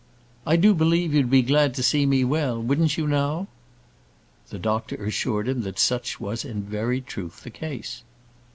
"I do believe you'd be glad to see me well; wouldn't you, now?" The doctor assured him that such was in very truth the case.